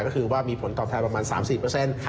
ก็คือว่ามีผลตอบแทนประมาณ๓๔เปอร์เซ็นต์